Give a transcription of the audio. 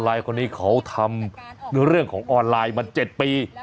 ลายคนนี้เขาทำเรื่องของออนไลน์มา๗ปี